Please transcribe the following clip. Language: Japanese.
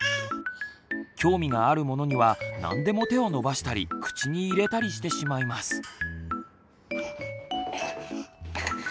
興味があるものには何でも手を伸ばしたり口に入れたりしてしまいます。